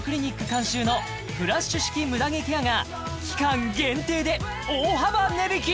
監修のフラッシュ式ムダ毛ケアが期間限定で大幅値引き！